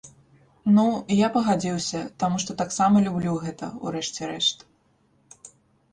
Ну, я пагадзіўся, таму што таксама люблю гэта, у рэшце рэшт.